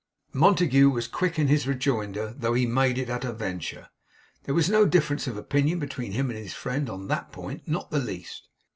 Montague was quick in his rejoinder, though he made it at a venture. There was no difference of opinion between him and his friend on THAT point. Not the least.